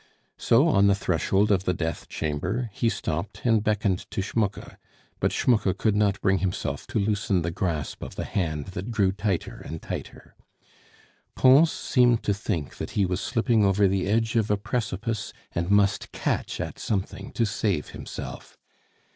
So on the threshold of the death chamber he stopped and beckoned to Schmucke, but Schmucke could not bring himself to loosen the grasp of the hand that grew tighter and tighter. Pons seemed to think that he was slipping over the edge of a precipice and must catch at something to save himself.